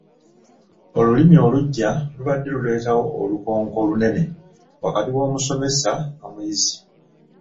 Olulimi oluggya lubadde luleetawo olukonko olunene wakati w’omusomesa n’omuyizi.